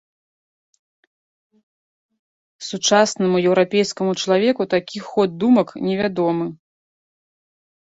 Сучаснаму еўрапейскаму чалавеку такі ход думак невядомы.